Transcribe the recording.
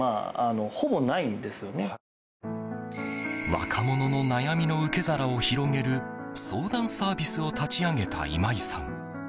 若者の悩みの受け皿を広げる相談サービスを立ち上げた今井さん。